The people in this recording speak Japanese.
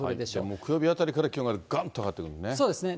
木曜日あたりから気温ががんと上がってくるんですね。